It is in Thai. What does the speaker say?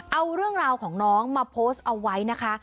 เอาเรื่องราวของน้องมาโพสต์เอาไว้นะคะ